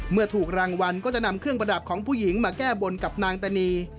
เมื่อถูกรางวัลก็จะนำเครื่องประดับของผู้หญิงมาแก้บนกับนางตานี